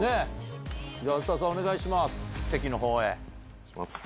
お願いします